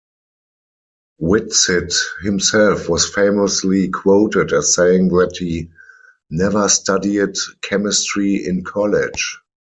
Whitsitt himself was famously quoted as saying that he "never studied chemistry in college".